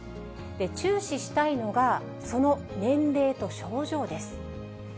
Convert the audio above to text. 注視したいのが、その年齢と症状です。